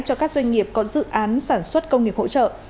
cho các doanh nghiệp có dự án sản xuất công nghiệp hỗ trợ